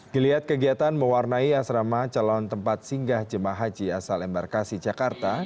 geliat kegiatan mewarnai asrama calon tempat singgah jemaah haji asal embarkasi jakarta